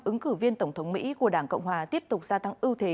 ứng cử viên tổng thống mỹ của đảng cộng hòa tiếp tục gia tăng ưu thế